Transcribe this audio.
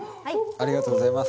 ありがとうございます。